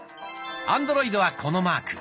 アンドロイドはこのマーク。